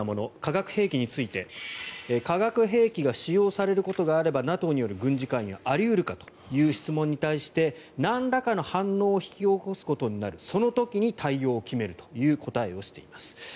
主なもの、化学兵器について化学兵器が使用されることがあればＮＡＴＯによる軍事介入はあり得るかという質問に対してなんらかの反応を引き起こすことになるその時に対応を決めるという答えをしています。